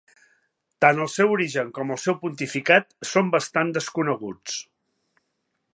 Tant el seu origen com el seu pontificat són bastant desconeguts.